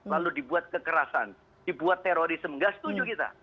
lalu dibuat kekerasan dibuat terorisme nggak setuju kita